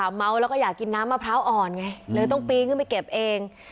เมาแล้วก็อยากกินน้ำมะพร้าวอ่อนไงเลยต้องปีนขึ้นไปเก็บเอง